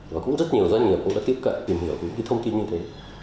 và cũng rất nhiều doanh nghiệp cũng đã tiếp cận tìm hiểu những thông tin như thế